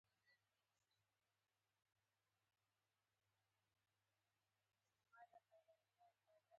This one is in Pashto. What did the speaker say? جنت د چا ځای دی؟